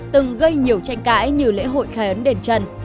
từng gây nhiều tranh cãi như lễ hội khai ấn đền trần